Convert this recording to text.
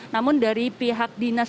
namun dari pihak dinas